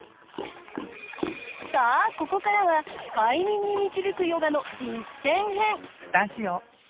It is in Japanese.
さあここからは快眠に導くヨガの実践編！